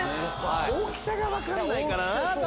大きさが分からないから。